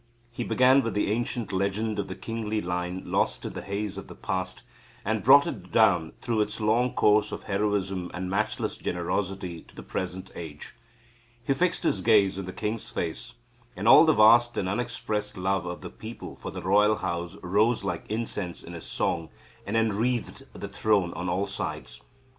He began with the ancient legend of the kingly line lost in the haze of the past, and brought it down through its long course of heroism and matchless generosity to the present age. He fixed his gaze on the king's face, and all the vast and unexpressed love of the people for the royal house rose like incense in his song, and enwreathed the throne on all sides.